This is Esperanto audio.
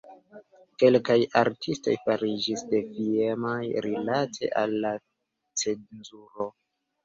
Kelkaj artistoj fariĝis defiemaj rilate al la cenzuro.